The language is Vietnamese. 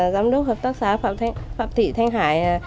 giám đốc hợp tác xã phạm thị thanh hải